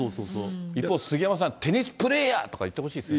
一方、杉山さん、テニスプレーヤーとか言ってほしいですね。